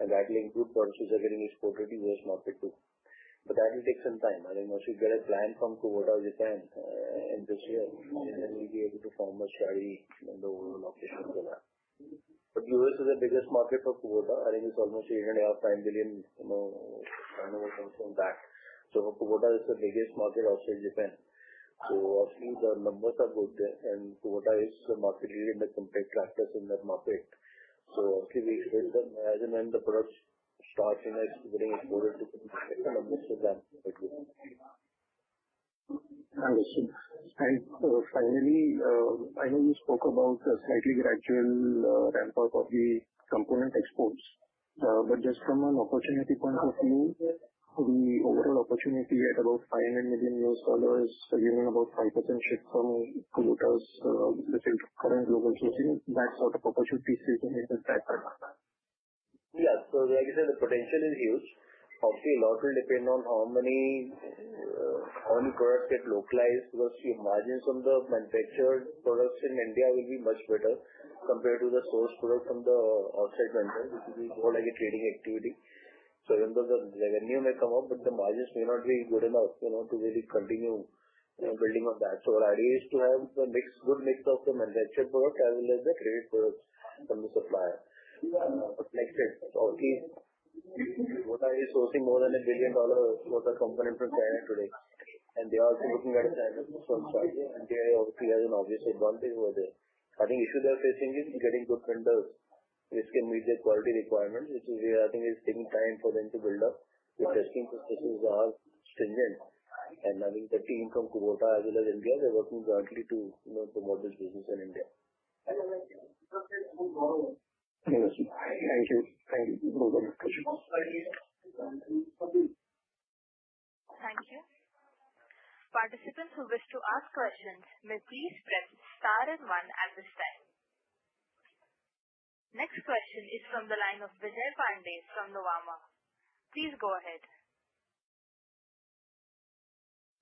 That will include products which are getting exported to the U.S. market too. That will take some time. I think once we get a plan from Kubota Japan in this year, then we will be able to form a strategy in the overall operations for that. U.S. is the biggest market for Kubota. I think it is almost $8.5 billion-$9 billion kind of comes from that. Kubota is the biggest market also in Japan. Obviously, the numbers are good there. Kubota is market-lead in the compared tractors in that market. Obviously, we expect that as and when the products start getting exported to the market, the numbers will ramp up. Understood. Finally, I know you spoke about the slightly gradual ramp-up of the component exports. Just from an opportunity point of view, the overall opportunity at about $500 million, giving about 5% shift from Kubota's current global sourcing, that sort of opportunity is taking into effect? Yeah. Like you said, the potential is huge. Obviously, a lot will depend on how many products get localized because the margins of the manufactured products in India will be much better compared to the source product from the outside vendor, which will be more like a trading activity. Even though the revenue may come up, the margins may not be good enough to really continue building on that. Our idea is to have a good mix of the manufactured product as well as the traded products from the supplier. Like I said, obviously, Kubota is sourcing more than $1 billion worth of components from China today. They are also looking at a China source side. They obviously have an obvious advantage over there. I think the issue they're facing is getting good vendors which can meet their quality requirements, which is where I think it's taking time for them to build up. The testing processes are stringent. I think the team from Kubota, as well as India, they're working jointly to promote this business in India. Understood. Thank you. Thank you. No further questions. Thank you. Participants who wish to ask questions may please press star and one at this time. Next question is from the line of Vijay Pandey from Nuvama. Please go ahead.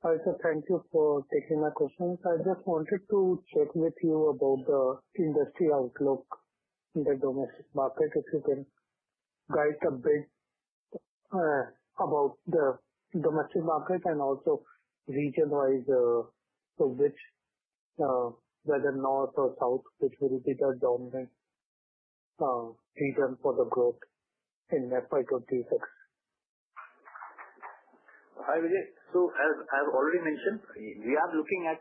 Hi. Thank you for taking my questions. I just wanted to check with you about the industry outlook in the domestic market, if you can guide a bit about the domestic market and also region-wise, which, whether north or south, which will be the dominant region for the growth in NetPike of DFX. Hi, Vijay. As I have already mentioned, we are looking at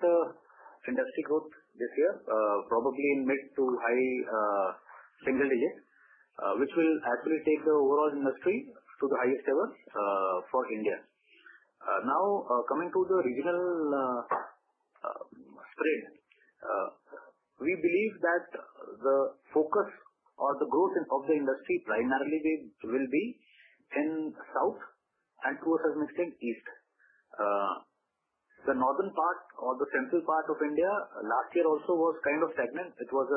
industry growth this year, probably in mid to high single digits, which will actually take the overall industry to the highest level for India. Now, coming to the regional spread, we believe that the focus or the growth of the industry primarily will be in south and, to a certain extent, east. The northern part or the central part of India last year also was kind of stagnant. It was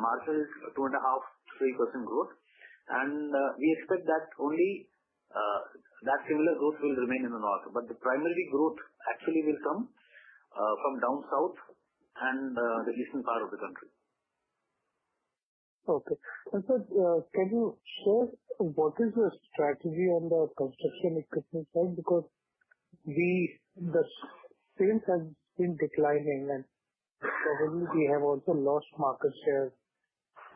a marginal 2.5%-3% growth. We expect that only that similar growth will remain in the north. The primary growth actually will come from down south and the eastern part of the country. Okay. Can you share what is your strategy on the construction equipment side? Because the sales have been declining, and probably we have also lost market share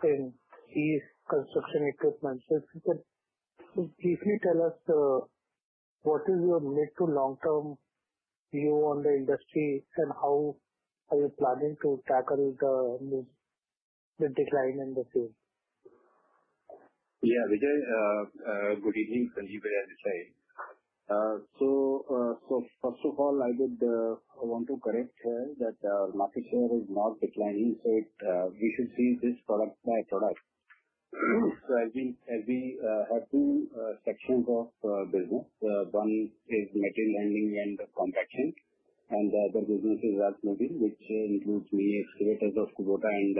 in these construction equipment. If you could briefly tell us what is your mid to long-term view on the industry and how are you planning to tackle the decline in the field? Yeah. Vijay, good evening from UP, as you say. First of all, I would want to correct here that our market share is not declining. We should see this product by product. As we have two sections of business, one is material handling and compaction, and the other business is earthmoving, which includes mini excavators of Kubota and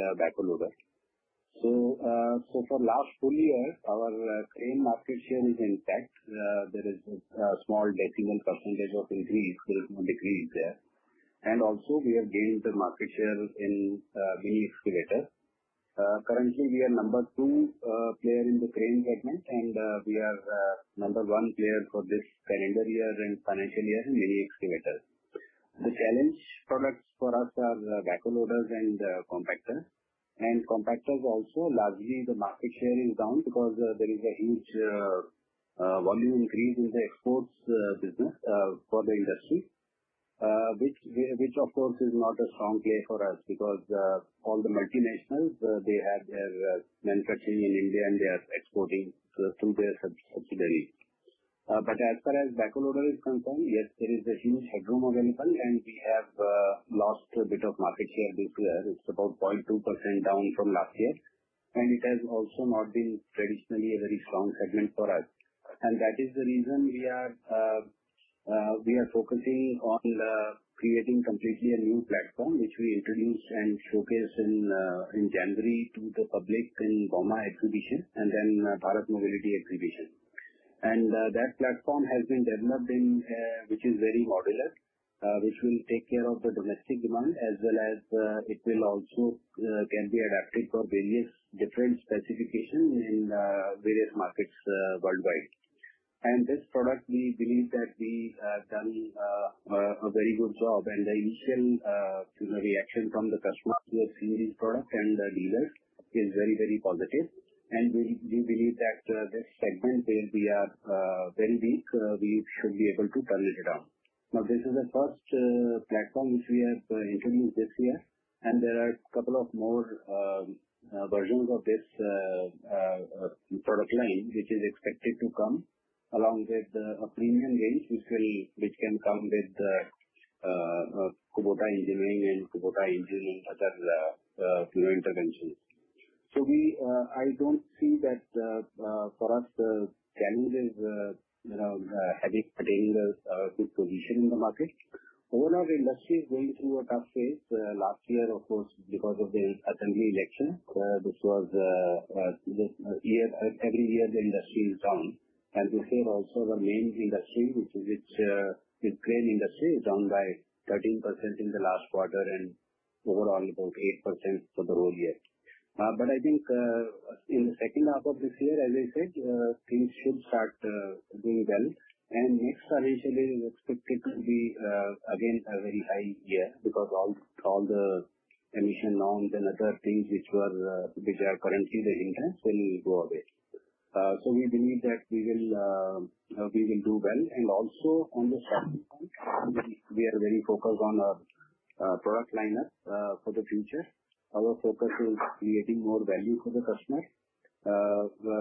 backhoe loader. For the last full year, our crane market share is intact. There is a small decimal percentage of increase. There is no decrease there. Also, we have gained the market share in mini excavators. Currently, we are number two player in the crane segment, and we are number one player for this calendar year and financial year in mini excavators. The challenge products for us are backhoe loaders and compactors. Compactors also, largely the market share is down because there is a huge volume increase in the exports business for the industry, which, of course, is not a strong play for us because all the multinationals, they have their manufacturing in India and they are exporting through their subsidiaries. As far as Backhoe Loader is concerned, yes, there is a huge headroom available, and we have lost a bit of market share this year. It is about 0.2% down from last year. It has also not been traditionally a very strong segment for us. That is the reason we are focusing on creating completely a new platform, which we introduced and showcased in January to the public in Boma exhibition and then Bharat Mobility exhibition. That platform has been developed, which is very modular, which will take care of the domestic demand, as well as it will also be adapted for various different specifications in various markets worldwide. This product, we believe that we have done a very good job. The initial reaction from the customers who have seen this product and the dealers is very, very positive. We believe that this segment, where we are very weak, we should be able to turn it around. This is the first platform which we have introduced this year. There are a couple of more versions of this product line, which is expected to come along with a premium range which can come with Kubota engineering and Kubota engine and other interventions. I do not see that for us, the challenge is having attained a good position in the market. Overall, the industry is going through a tough phase. Last year, of course, because of the assembly election, this was every year the industry is down. This year also, the main industry, which is crane industry, is down by 13% in the last quarter and overall about 8% for the whole year. I think in the second half of this year, as I said, things should start doing well. Next financial year is expected to be, again, a very high year because all the emission norms and other things which are currently the hindrance will go away. We believe that we will do well. Also, on the second point, we are very focused on our product lineup for the future. Our focus is creating more value for the customer,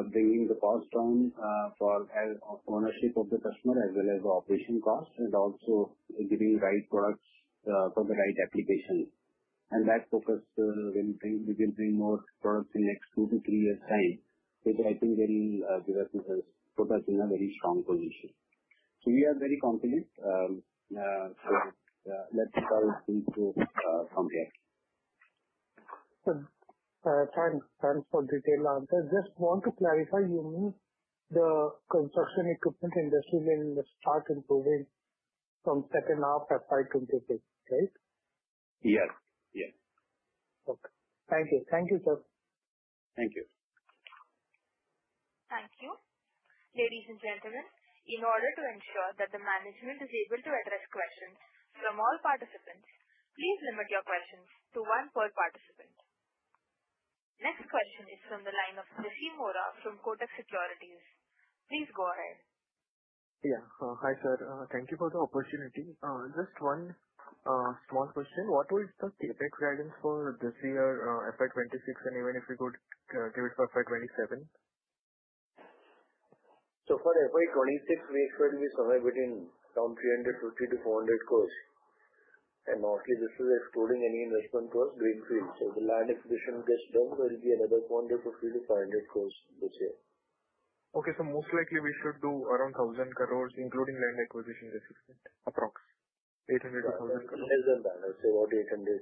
bringing the cost down for ownership of the customer as well as the operation costs, and also giving the right products for the right application. That focus will bring more products in the next two to three years' time, which I think will put us in a very strong position. We are very confident. Let's start things from here. Sorry. Thanks for the detailed answer. Just want to clarify, you mean the construction equipment industry will start improving from second half of 2026, right? Yes. Yes. Okay. Thank you. Thank you, sir. Thank you. Thank you. Ladies and gentlemen, in order to ensure that the management is able to address questions from all participants, please limit your questions to one per participant. Next question is from the line of Vishy Mora from Kotak Securities. Please go ahead. Yeah. Hi, sir. Thank you for the opportunity. Just one small question. What will the CapEx guidance for this year, FY 2026, and even if we could give it for FY 2027? For FY2026, we expect we survive within around 350-400 crore. Mostly, this is excluding any investment towards greenfield. If the land acquisition gets done, there will be another INR 250-INR 500 crore this year. Okay. So most likely, we should do around 1,000 crore, including land acquisition gets done, approximately INR 800-INR 1,000 crore? Less than that. I would say about 800.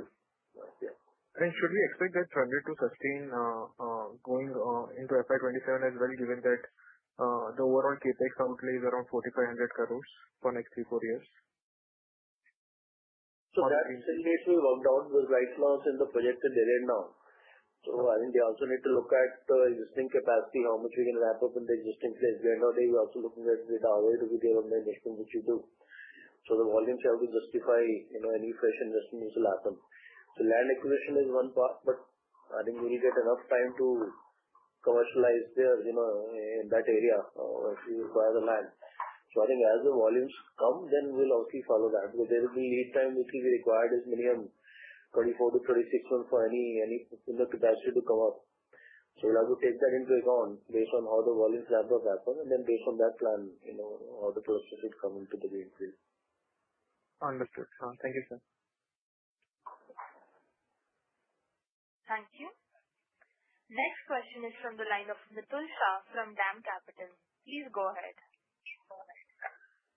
800. Okay. Should we expect that funding to sustain going into FY2027 as well, given that the overall CapEx outlay is around 4,500 crore for the next three-four years? That simulation we worked out will right now in the projected delayed now. I think they also need to look at the existing capacity, how much we can ramp up in the existing place. At the end of the day, we're also looking at the Doway to be there on the investment which we do. The volumes have to justify any fresh investment which will happen. Land acquisition is one part, but I think we'll get enough time to commercialize there in that area if we require the land. I think as the volumes come, then we'll obviously follow that. There will be lead time which will be required as minimum 24-36 months for any capacity to come up. We'll have to take that into account based on how the volumes ramp up happen, and then based on that plan how the processes come into the greenfield. Understood. Thank you, sir. Thank you. Next question is from the line of Mitul Shah from Dam Capital. Please go ahead.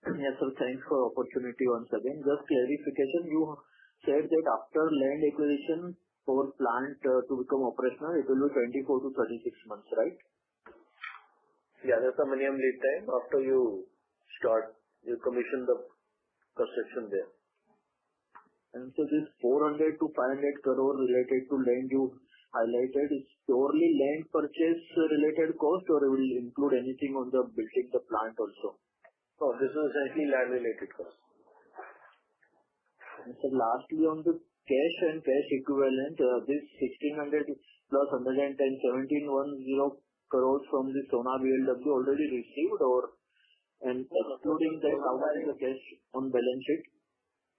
Yes, sir. Thanks for the opportunity once again. Just clarification. You said that after land acquisition for plant to become operational, it will be 24-36 months, right? Yeah. That's a minimum lead time after you start, you commission the construction there. T his 400-500 crore related to land you highlighted, it's purely land purchase-related cost, or it will include anything on the building, the plant also? Oh, this is essentially land-related cost. Lastly, on the cash and cash equivalent, this 1,600 plus 110, 1,710 crore from the Sonar BLW already received, or excluding that, how much is the cash on balance sheet?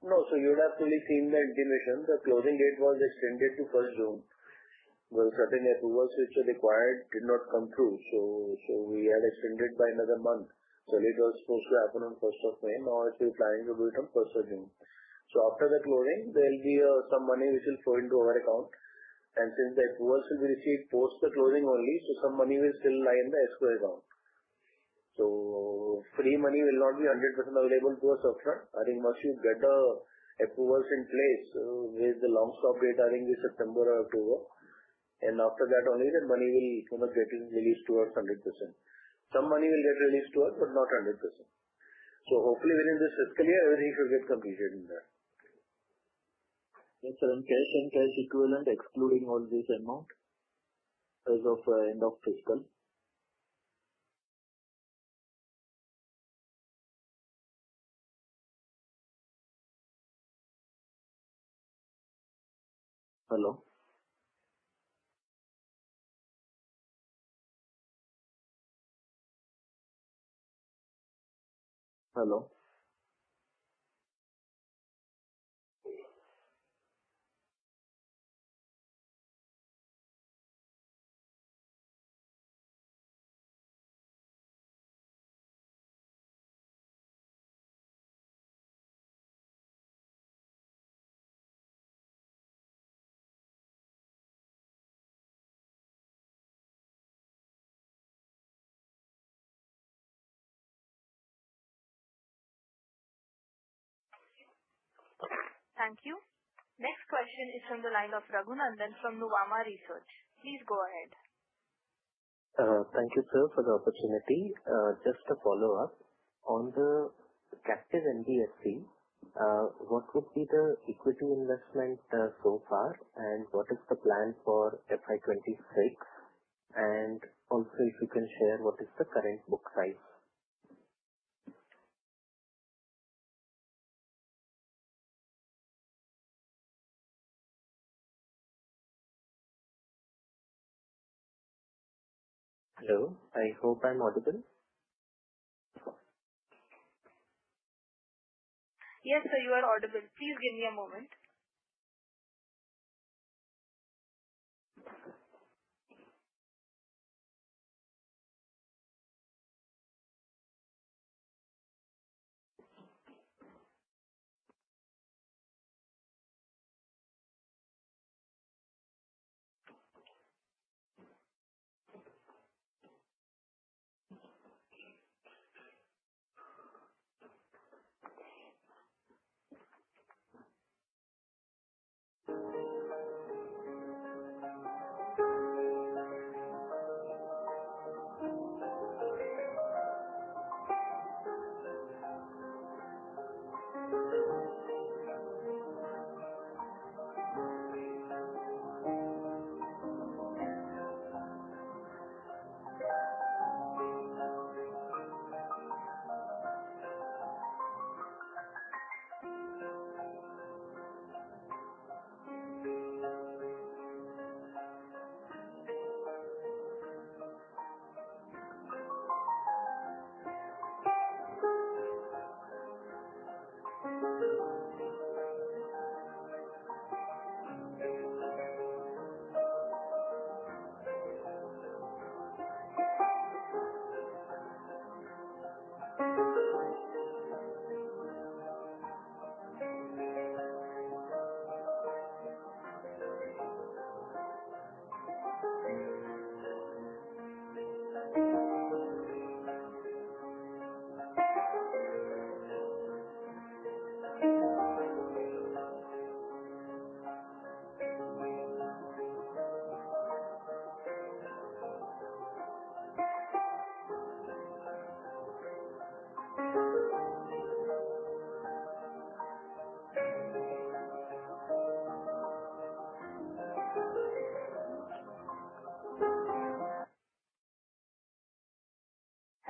No. You would have fully seen the inclination. The closing date was extended to 1 June. Certain approvals which are required did not come through. We had extended by another month. It was supposed to happen on 1 May. Now, we're planning to do it on 1 June. After the closing, there will be some money which will flow into our account. Since the approvals will be received post the closing only, some money will still lie in the escrow account. Free money will not be 100% available to us upfront. I think once you get the approvals in place, with the long stop date I think is September or October. After that only, that money will get released towards 100%. Some money will get released to us, but not 100%. Hopefully, within this fiscal year, everything should get completed in there. Yes, sir. Cash and cash equivalent, excluding all this amount as of end of fiscal? Hello? Hello? Thank you. Next question is from the line of Raghunandan from Nuvama Research. Please go ahead. Thank you, sir, for the opportunity. Just a follow-up. On the captive NBFC, what would be the equity investment so far, and what is the plan for FY 2026? Also, if you can share what is the current book size? Hello? I hope I'm audible? Yes, sir, you are audible. Please give me a moment.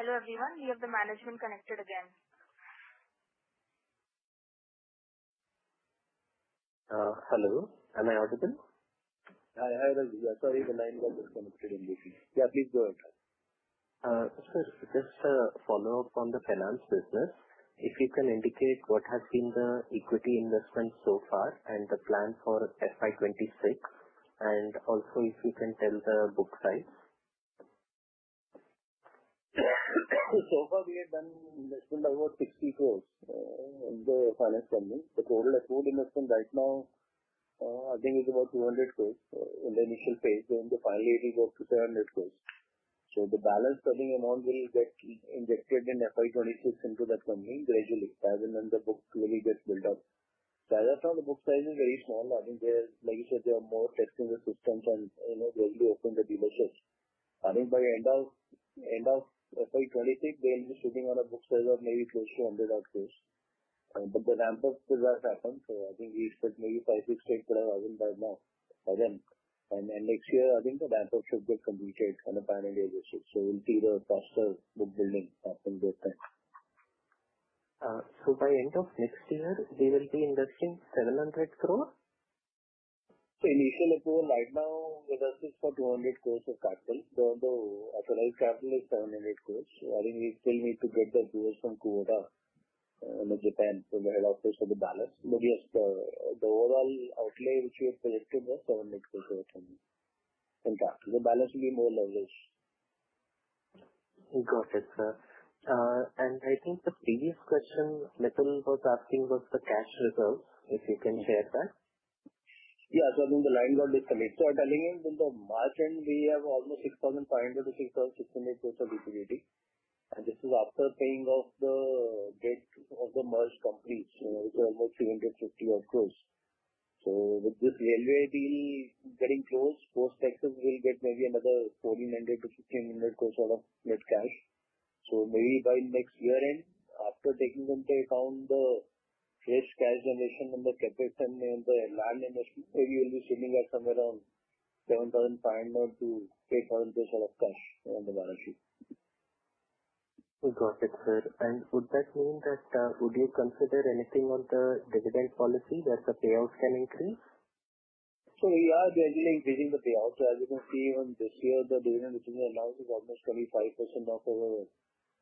Hello everyone. We have the management connected again. Hello. Am I audible? Hi. Hi, Raj. Yeah. Sorry, the line got disconnected in between. Yeah, please go ahead. Sir, just a follow-up on the finance business. If you can indicate what has been the equity investment so far and the plan for FY 2026, and also if you can tell the book size? So far, we have done investment of about 60 crore in the finance company. The total accrued investment right now, I think, is about 200 crore in the initial phase. The final 80 goes to 700 crore. The balance, I think, amount will get injected in FY2026 into the company gradually. As in, the book really gets built up. As of now, the book size is very small. I think, like you said, they are more testing the systems and gradually open the dealerships. I think by end of FY2026, they'll be sitting on a book size of maybe close to 100-odd crore. The ramp-up will have happened. I think we expect maybe 5, 6, 8 crore by now, by then. Next year, I think the ramp-up should get completed on the final INR 800 crore. We'll see the faster book building happening with that. By end of next year, they will be investing 700 crore? Initial approval right now with us is for 200 crore of capital. Though the authorized capital is 700 crore. I think we still need to get the approvals from Kubota in Japan from the head office for the balance. Yes, the overall outlay which we had predicted was INR 700 crore of capital. The balance will be more leveraged. Got it, sir. I think the previous question Mitul was asking was the cash reserves. If you can share that? Yeah. I think the line got disconnected. I'm telling you, in the margin, we have almost 6,500-6,600 crore of liquidity. This is after paying off the debt of the merged companies, which are almost 350-odd crore. With this railway deal getting closed, post-taxes, we'll get maybe another 1,400-1,500 crore out of net cash. Maybe by next year-end, after taking into account the fresh cash generation and the CapEx and the land investment, maybe we'll be sitting at somewhere around INR 7,500-INR 8,000 crore of cash on the balance sheet. Got it, sir. Would that mean that would you consider anything on the dividend policy that the payouts can increase? We are gradually increasing the payouts. As you can see, even this year, the dividend which we announced is almost 25% of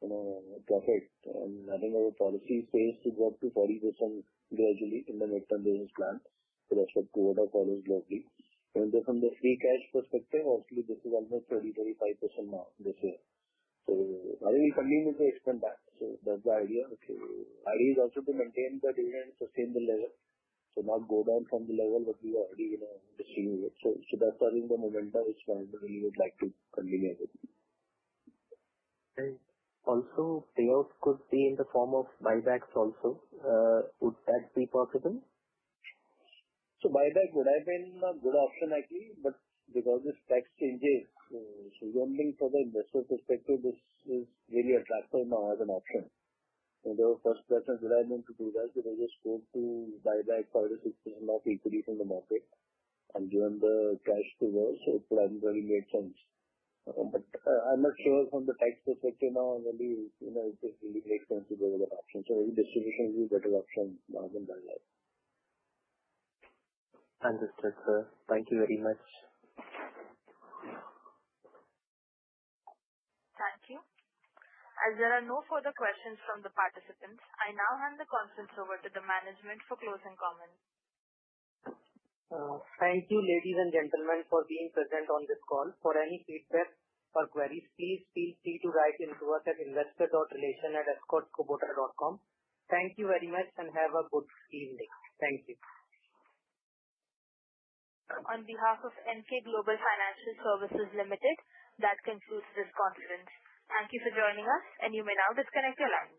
our profit. I think our policy is supposed to go up to 40% gradually in the midterm business plan with respect to what our follows globally. From the free cash perspective, obviously, this is almost 30%-35% now this year. I think we will continue to expand that. That is the idea. The idea is also to maintain the dividend and sustain the level, not go down from the level that we already distributed. That is, I think, the momentum which management really would like to continue with. Also, payouts could be in the form of buybacks also. Would that be possible? Buyback would have been a good option, actually. Because of this tax change, I do not think from the investor perspective this is really attractive now as an option. The first question is, would I need to do that? I just hoped to buy back 5%-6% of equity from the market and give them the cash to go. It would have really made sense. I am not sure from the tax perspective now it really makes sense to go with that option. Maybe distribution would be a better option rather than buyback. Understood, sir. Thank you very much. Thank you. As there are no further questions from the participants, I now hand the conference over to the management for closing comments. Thank you, ladies and gentlemen, for being present on this call. For any feedback or queries, please feel free to write into us at investor.relation@escorts-kubota.com. Thank you very much, and have a good evening. Thank you. On behalf of Emkay Global Financial Services Limited, that concludes this conference. Thank you for joining us, and you may now disconnect your line.